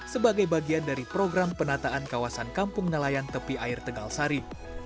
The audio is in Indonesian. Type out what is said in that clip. sebagai bagian dari program penataan kawasan kampung nelayan tepi air tegal sari